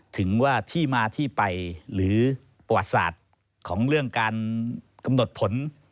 ถึงว่าที่มาที่ไปหรือประวัติศาสตร์ของเรื่องการกำหนดผล